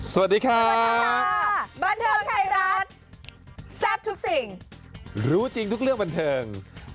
สวัสดีค่ะสวัสดีค่ะบันเทิงไทยรัฐแซ่บทุกสิ่งรู้จริงทุกเรื่องบันเทิง